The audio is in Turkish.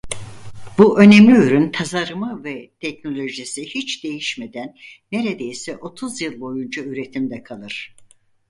Bu önemli ürün tasarımı ve teknolojisi hiç değişmeden neredeyse otuz yıl boyunca üretimde kalır.